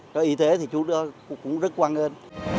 cho y tế thì chú cũng rất quan ơn